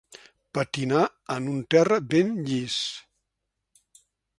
Patinar en un terra ben llis.